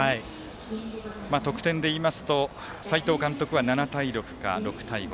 得点でいいますと斎藤監督は７対６か６対５。